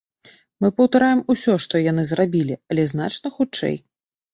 Мы паўтараем усё, што яны зрабілі, але значна хутчэй.